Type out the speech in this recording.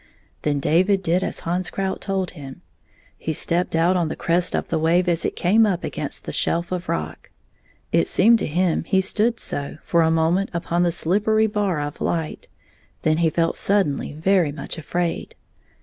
Then David did as Hans Krout told him. He stepped out on the crest of the wave as it came up against the shelf of rock. It seemed to him he stood so for a moment upon the slippery bar of light; then he felt suddenly very much afraid.